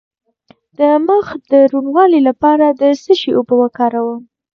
د مخ د روڼوالي لپاره د څه شي اوبه وکاروم؟